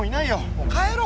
もう帰ろう。